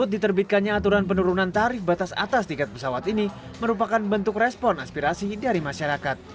diterbitkannya aturan penurunan tarif batas atas tiket pesawat ini merupakan bentuk respon aspirasi dari masyarakat